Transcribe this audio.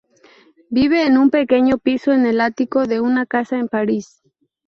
Vive en un pequeño piso en el ático de una casa en París.